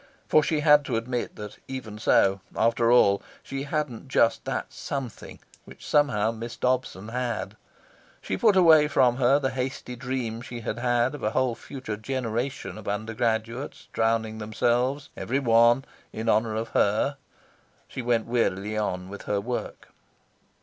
For she had to admit that even so, after all, she hadn't just that something which somehow Miss Dobson had. She put away from her the hasty dream she had had of a whole future generation of undergraduates drowning themselves, every one, in honour of her. She went wearily on with her work.